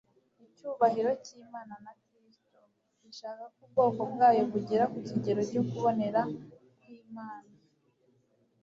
Icyubahiro cy'Imana na Kristo gishaka ko ubwoko bwayo bugera ku kigero cyo kubonera kw'Imana.